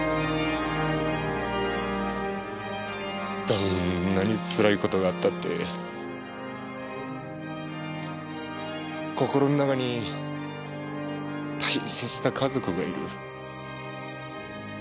どんなにつらい事があったって心の中に大切な家族がいる。